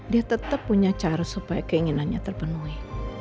dia tetap punya cara supaya keinginannya terpenuhi